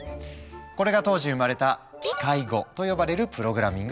これが当時生まれた「機械語」と呼ばれるプログラミング言語。